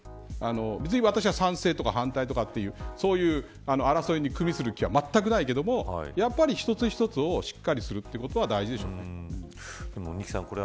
別に私は賛成とか反対とかそういう争いに組みする気はまったくないけれどもやっぱり、一つ一つをしっかりすることはでも仁木さん